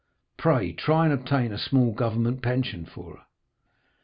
Pray, try and obtain a small government pension for her.